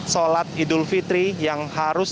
sholat idul fitri yang harus